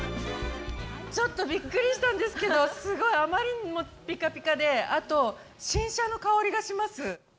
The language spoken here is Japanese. ちょっとびっくりしたんですけど、すごい、あまりにもぴかぴかで、あと、新車の香りがします。